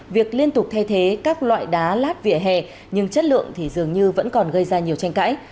việc liên tục thay thế các loại đá lát vỉa hè nhưng chất lượng thì dường như vẫn còn gây ra nhiều tranh cãi